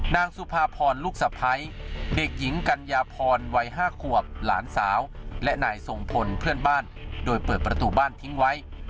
นางสุภาพรลูกสะพ้ายเด็กหญิงกัญญาพรวัย๕ขวบหลานสาวและนายทรงพลเพื่อนบ้านโดยเปิดประตูบ้านทิ้งไว้